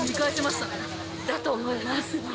だと思います。